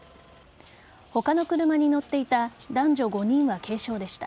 他の車に乗っていた男女５人は軽傷でした。